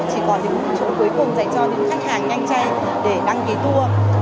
chỉ còn những chỗ cuối cùng dành cho những khách hàng nhanh trang để đăng ký tour